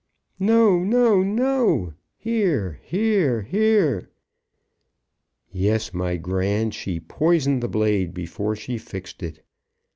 "No no no." "Hear hear hear." "Yes, my Grand; she poisoned the blade before she fixed it.